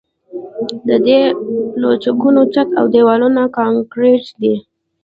د دې پلچکونو چت او دیوالونه کانکریټي دي